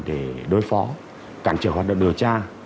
để đối phó cản trở hoạt động điều tra